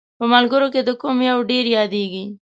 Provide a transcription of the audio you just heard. په ملګرو کې دې کوم یو ډېر یادیږي؟